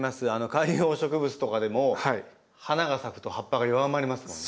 観葉植物とかでも花が咲くと葉っぱが弱まりますもんね。